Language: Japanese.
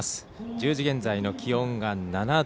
１０時現在の気温が７度。